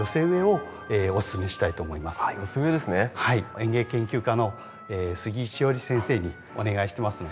園芸研究家の杉井志織先生にお願いしてますので。